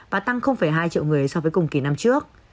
và tăng hai triệu người so với cùng kỳ năm trước